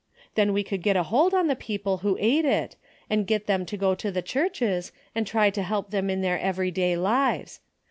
Then we could get a hold on the people who ate it, and get them to go to the churches, and try to help them in their everyday lives.